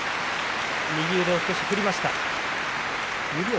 右腕を少し振りました。